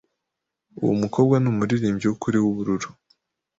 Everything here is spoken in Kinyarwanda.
Uwo mukobwa numuririmbyi wukuri wubururu.